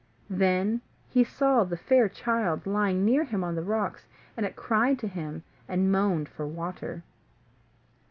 Then he saw the fair child lying near him on the rocks, and it cried to him, and moaned for water.